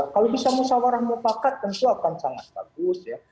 kalau bisa musawarah mufakat tentu akan sangat bagus ya